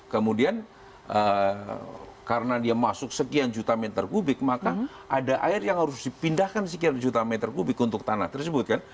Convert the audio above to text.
kemudian karena dia masuk sekian juta meter kubik maka ada air yang harus dipindahkan sekian juta meter kubik untuk tanah tersebut kan